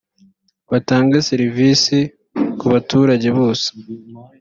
batange serivisi ku baturage bose